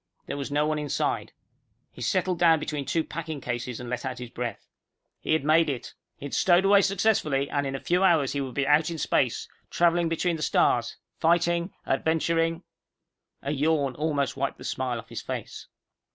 There was no one inside. He settled down between two packing cases and let out his breath. He had made it. He had stowed away successfully, and in a few hours he would be out in space, traveling between the stars, fighting, adventuring A yawn almost wiped the smile off his face.